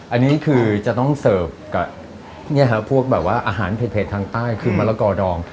อันนี้คือจะต้องเสิร์ฟกับพวกแบบว่าอาหารเผ็ดทางใต้คือมะละกอดอง